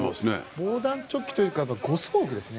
防弾チョッキというか護送具ですね。